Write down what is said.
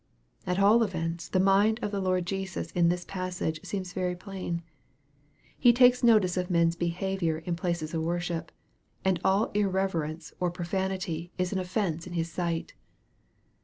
At all events the mind of the Lord Jesus in this passage seems very plain. He takes notice of men's behavior in places of worship, and all irreverence or profanity is an offence in His sight.